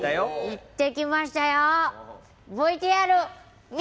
行ってきましたよ。